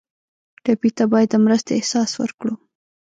ټپي ته باید د مرستې احساس ورکړو.